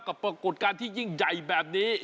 ปรากฏการณ์ที่ยิ่งใหญ่แบบนี้